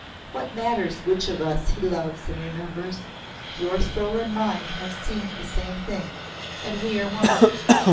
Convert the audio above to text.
What matters which of us he loves and remembers? Your soul and mine have seen the same thing, and we are one.